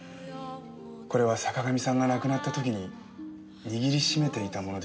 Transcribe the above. これは坂上さんが亡くなった時に握り締めていたものです。